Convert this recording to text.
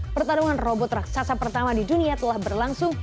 pertarungan robot raksasa pertama di dunia telah berlangsung